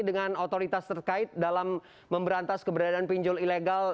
dengan otoritas terkait dalam memberantas keberadaan pinjol ilegal